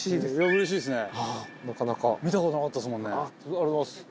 ありがとうございます